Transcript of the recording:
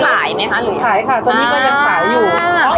ขายค่ะตอนนี้ก็ยังขายอยู่